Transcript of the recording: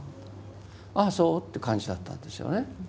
ああそうっていう感じだったんですよね。